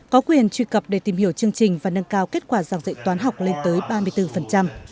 có quyền truy cập để tìm hiểu chương trình và nâng cao kết quả giảng dạy toán học lên tới ba mươi bốn